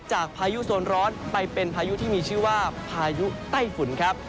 พายุโซนร้อนไปเป็นพายุที่มีชื่อว่าพายุไต้ฝุ่นครับ